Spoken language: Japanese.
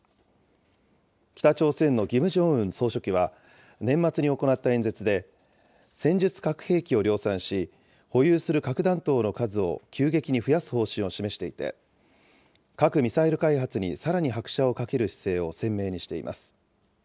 北朝鮮のキム・ジョンウン総書記は、年末に行った演説で、戦術核兵器を量産し、保有する核弾頭の数を急激に増やす方針を示していて、核・ミサイル開発にさらに拍車をかける姿勢を鮮明にしています。